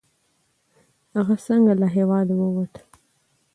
هغه څنګه له هیواده ووت؟